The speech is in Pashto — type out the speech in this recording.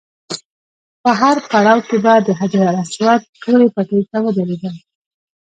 په هر پړاو کې به د حجر اسود تورې پټۍ ته ودرېدم.